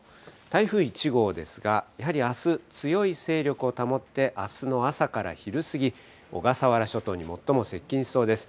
台風１号ですが、やはりあす、強い勢力を保って、あすの朝から昼過ぎ、小笠原諸島に最も接近しそうです。